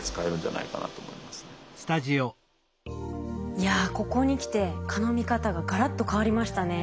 いやここに来て蚊の見方ががらっと変わりましたね。